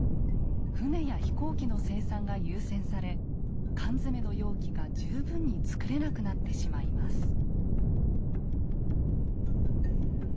船や飛行機の生産が優先され缶詰の容器が十分に作れなくなってしまいます。